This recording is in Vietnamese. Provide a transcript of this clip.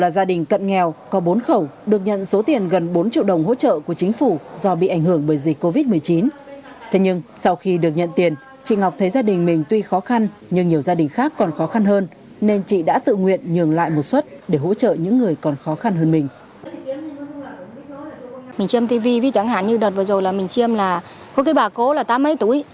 vì chẳng hạn như đợt vừa rồi là mình chiêm là có cái bà cố là tám mấy túi